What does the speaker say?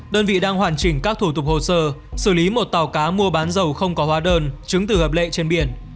đơn vị đang hoàn chỉnh các thủ tục hồ sơ xử lý một tàu cá mua bán dầu không có hóa đơn chứng từ hợp lệ trên biển